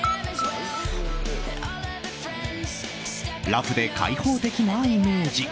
ラフで開放的なイメージ。